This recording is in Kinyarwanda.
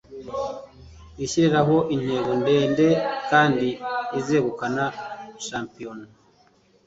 Ishyirireho intego ndende kandi uzegukana championat!